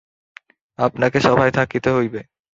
আপনাকে সভায় থাকিতে হইবে।